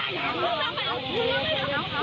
สวัสดีครับทุกคน